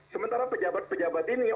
sementara pejabat pejabat ini